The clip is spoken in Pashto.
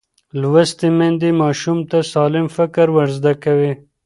لوستې میندې ماشوم ته سالم فکر ورزده کوي.